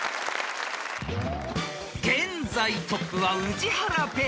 ［現在トップは宇治原ペア］